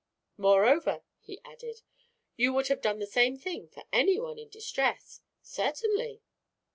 "Moreover," he added, "you would have done the same thing for anyone in distress." "Certainly."